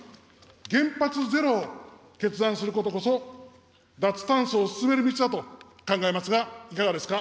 原発ゼロを決断することこそ、脱炭素を進める道だと考えますが、いかがですか。